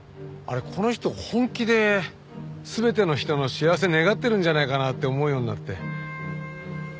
この人本気で全ての人の幸せ願ってるんじゃないかなって思うようになって。